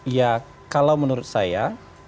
ya kalau menurut saya